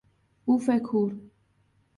بوف کور